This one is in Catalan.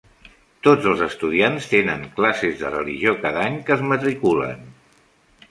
Tots els estudiants tenen classes de religió cada any que es matriculen.